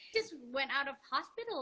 dia baru saja keluar dari hospital